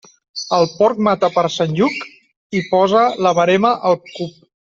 El porc mata per Sant Lluc i posa la verema al cup.